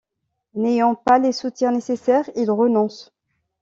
N'ayant pas les soutiens nécessaires, il renonce.